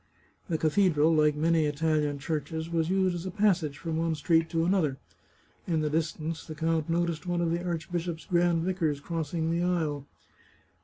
This cathedral, like many Italian churches, was used as a passage from one street to another. In the distance the count noticed one of the archbishop's grand vicars crossing the aisle.